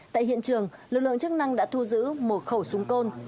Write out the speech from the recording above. tại hiện trường lực lượng chức năng đã thu giữ một khẩu súng côn